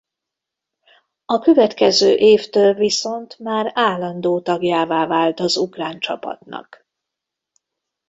A következő évtől viszont már állandó tagjává vált az ukrán csapatnak.